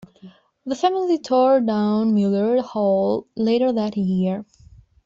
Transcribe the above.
The family tore down Miller Hall later that year.